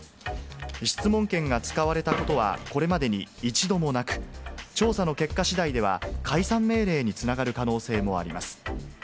質問権が使われたことは、これまでに一度もなく、調査の結果しだいでは、解散命令につながる可能性もあります。